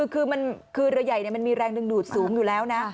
คือเรือใหญ่มันมีแรงดึงดูดสูงอยู่แล้วนะ